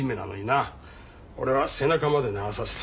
俺は背中まで流させた。